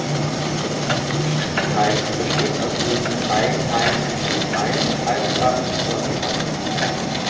Schriesheim besteht aus den drei Teilen Schriesheim, Altenbach und Ursenbach.